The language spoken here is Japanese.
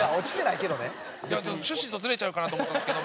いや趣旨とずれちゃうかなと思ったんですけど。